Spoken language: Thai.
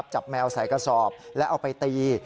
แมวใส่กระสอบแล้วเอาไปตี